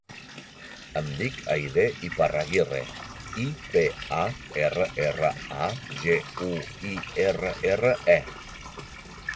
Em dic Aidé Iparraguirre: i, pe, a, erra, erra, a, ge, u, i, erra, erra, e.